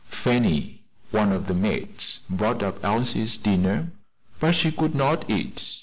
Fanny, one of the maids, brought up Elsie's dinner, but she could not eat.